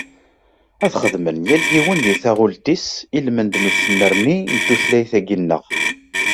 Ad xedmen, yal yiwen di taɣult-is ilmend n usnerni n tutlayt-agi-nneɣ.